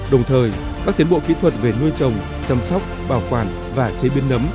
đồng thời các tiến bộ kỹ thuật về nuôi trồng chăm sóc bảo quản và chế biến nấm